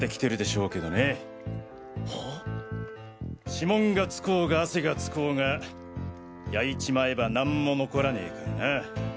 指紋が付こうが汗が付こうが焼いちまえばなんも残らねぇからな。